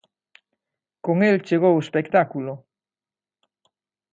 Con el chegou o espectáculo.